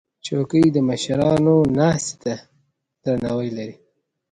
چوکۍ د مشرانو ناستې ته درناوی لري.